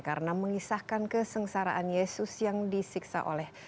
karena mengisahkan kesengsaraan yesus yang disiksa oleh